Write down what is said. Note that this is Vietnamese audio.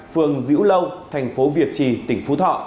phường dĩu thành phố việt trì tỉnh phú thọ